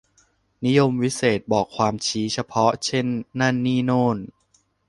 นิยมวิเศษณ์ บอกความชี้เฉพาะ เช่น นั่น นี่ โน่น